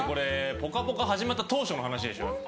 「ぽかぽか」始まった当初の話でしょ。